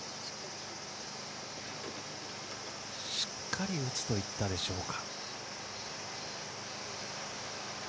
しっかり打つといったでしょうか。